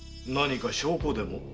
何か証拠でも？